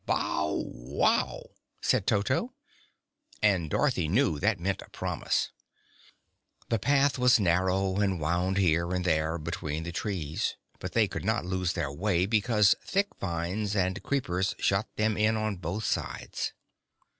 "Bow wow!" said Toto, and Dorothy knew that meant a promise. The path was narrow and wound here and there between the trees, but they could not lose their way, because thick vines and creepers shut them in on both sides.